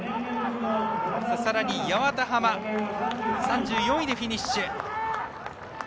八幡浜、３４位でフィニッシュ。